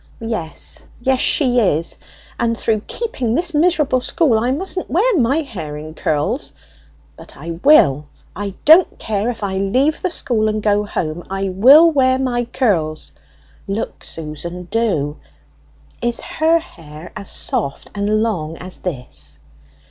yes, yes, she is! And through keeping this miserable school I mustn't wear my hair in curls! But I will; I don't care if I leave the school and go home, I will wear my curls! Look, Susan, do! is her hair as soft and long as this?"